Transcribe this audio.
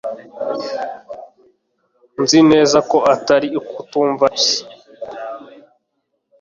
Nzi neza ko atari ukutumva gusa.